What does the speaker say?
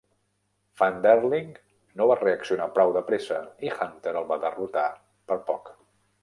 Van Deerlin no va reaccionar prou de pressa, i Hunter el va derrotar per poc.